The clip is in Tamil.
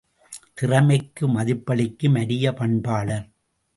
திறமைக்கு மதிப்பளிக்கும் அரிய பண்பாளர்.